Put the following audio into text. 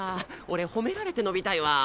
俺褒められて伸びたいわ。